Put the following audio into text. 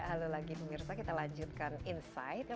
halo lagi pemirsa kita lanjutkan insight